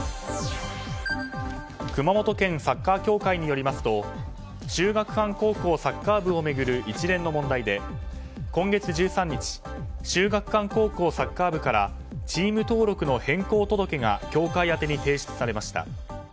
熊本県サッカー協会によりますと秀岳館高校サッカー部を巡る一連の問題で今月１３日秀岳館高校サッカー部からチーム登録の変更届が協会宛に提出されました。